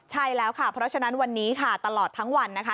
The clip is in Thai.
ใช่แล้วค่ะเพราะฉะนั้นวันนี้ค่ะตลอดทั้งวันนะคะ